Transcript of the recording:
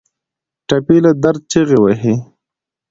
ټپي له درد چیغې وهي.